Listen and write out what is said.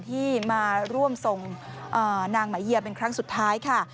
ที่มาร่วมทรงนางไหมเยียเป็นครั้งสุดท้ายค่ะ